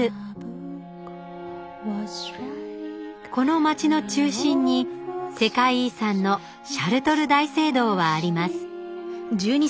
この街の中心に世界遺産のシャルトル大聖堂はあります